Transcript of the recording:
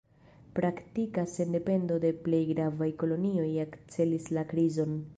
Praktika sendependo de plej gravaj kolonioj akcelis la krizon.